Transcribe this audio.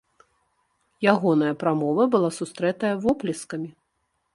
Ягоная прамова была сустрэтая воплескамі.